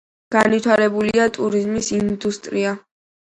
განვითარებულია ტურიზმის ინდუსტრია.